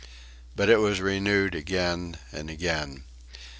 But it was renewed again and again.